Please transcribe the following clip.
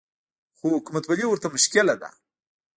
خو حکومتولي ورته مشکله ده